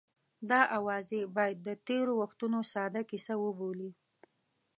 دا اوازې باید د تېرو وختونو ساده کیسه وبولو.